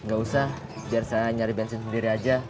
gak usah biar saya nyari bensin sendiri aja